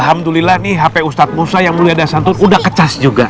alhamdulillah nih hp ustadz musa yang mulia dasantun udah dicas juga